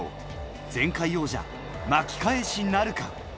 前回王者、巻き返しなるか。